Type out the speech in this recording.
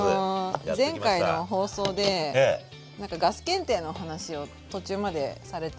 前回の放送でガス検定の話を途中までされていて。